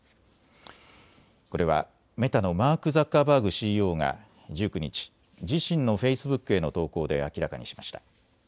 これはメタのマーク・ザッカーバーグＣＥＯが１９日、自身のフェイスブックへの投稿で明らかにしました。